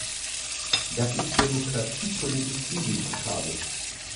Das ist demokratiepolitisch indiskutabel!